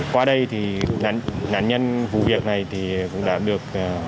qua đây thì nạn nhân vụ việc này thì cũng đã được